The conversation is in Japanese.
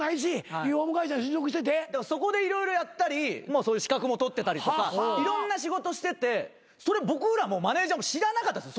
そこで色々やったりそういう資格も取ってたりとかいろんな仕事しててそれ僕らもマネジャーも知らなかったんですよ